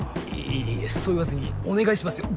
いやいやそう言わずにお願いしますよ